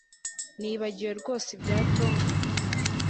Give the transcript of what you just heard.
Nibagiwe rwose ibya Tom